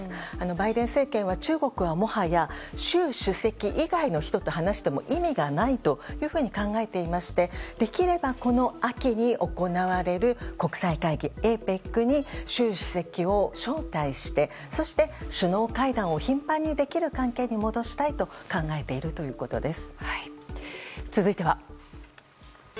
バイデン政権は中国は、もはや習主席以外の人と話しても意味がないと考えていましてできれば、この秋に行われる国際会議ＡＰＥＣに習主席を招待してそして、首脳会談を頻繁にできる関係に戻したいと考えているということです。